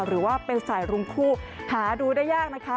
หรือว่าเป็นสายรุมคู่หาดูได้ยากนะคะ